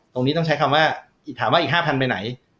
ตรงนี้ต้องใช้คำว่าถามว่าอีก๕๐๐ไปไหน